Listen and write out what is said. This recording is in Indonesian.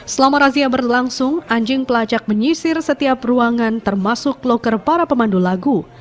selama razia berlangsung anjing pelacak menyisir setiap ruangan termasuk loker para pemandu lagu